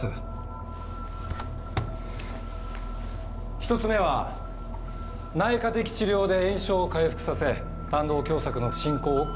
１つ目は内科的治療で炎症を回復させ胆道狭窄の進行を食い止める。